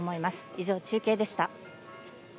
以上、中継でした。